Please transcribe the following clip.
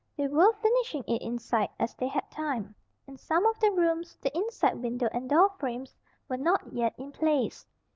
They were finishing it inside, as they had time. In some of the rooms the inside window and door frames were not yet in place.